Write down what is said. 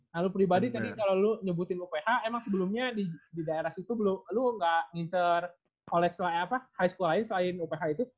nah lo pribadi tadi kalo lo nyebutin uph emang sebelumnya di daerah situ lo ga ngincer college lain high school lain selain uph itu